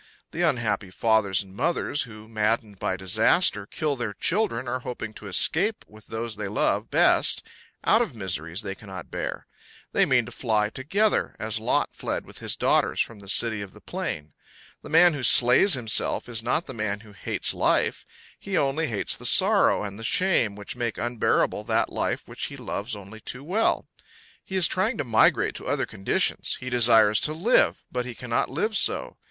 The unhappy fathers and mothers who, maddened by disaster, kill their children are hoping to escape with those they love best out of miseries they cannot bear; they mean to fly together, as Lot fled with his daughters from the city of the plain. The man who slays himself is not the man who hates life; he only hates the sorrow and the shame which make unbearable that life which he loves only too well. He is trying to migrate to other conditions; he desires to live, but he cannot live so.